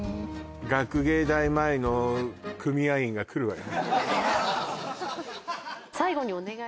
学芸大前の組合員が来るわよ